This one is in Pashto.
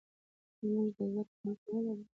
آیا موږ د زده کړې حق نلرو؟